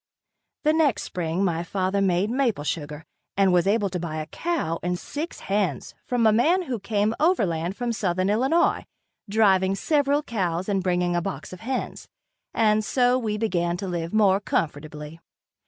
The next spring my father made maple sugar and was able to buy a cow and six hens from a man who came overland from southern Illinois, driving several cows and bringing a box of hens, and so we began to live more comfortably.